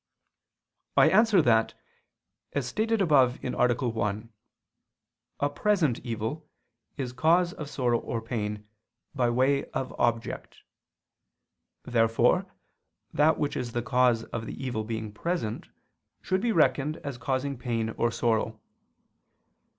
I answer that, As stated above (A. 1), a present evil, is cause of sorrow or pain, by way of object. Therefore that which is the cause of the evil being present, should be reckoned as causing pain or sorrow.